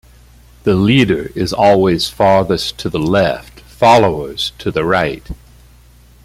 The leader is always farthest to the left, followers to the right.